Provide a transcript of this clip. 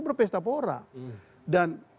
berpesta pora dan